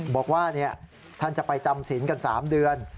บอกว่าท่านจะไปจำศีลกัน๓เดือน